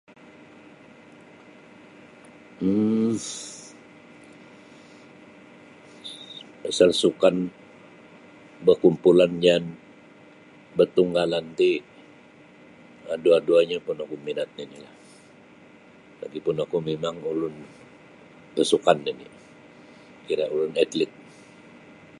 um pasal sukan bakumpulan jaan batunggalan ti um dua'-dua'nyo punoku minat nini'lah lagi pun oku mimang ulun basukan nini' kira' ulun etlit.